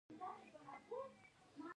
افغانستان کې دښتې د خلکو د خوښې وړ ځای دی.